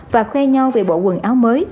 và khoe nhau về bộ quần áo mới